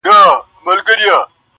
څنگه دي زړه څخه بهر وباسم,